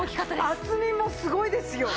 厚みもすごいですよ。